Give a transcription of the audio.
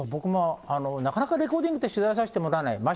僕もなかなかレコーディングって取材させてもらえない。